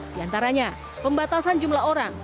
di antaranya pembatasan jumlah orang